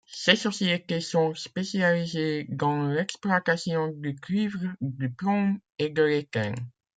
Ces sociétés sont spécialisées dans l'exploitation du cuivre, du plomb et de l'étain.